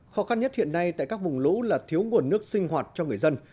khó khăn nhất hiện nay tại các vùng lũ là thiếu nguồn nước sinh hoạt cho người dân